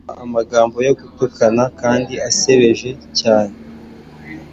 Yumva amagambo yo gutukana kandi asebeje cyane,